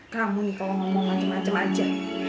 kamu nih kalau ngomong macam macam aja